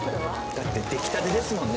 だって出来立てですもんね。